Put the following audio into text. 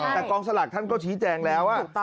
แต่กองสลากท่านก็ชี้แจงแล้ว